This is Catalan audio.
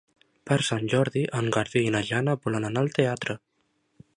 Per Sant Jordi en Garbí i na Jana volen anar al teatre.